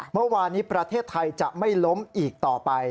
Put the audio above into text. เมื่อวานนี้ประเทศไทยจะไม่ล้มอีกต่อไป